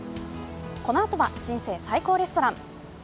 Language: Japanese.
このあとは「人生最高レストラン」。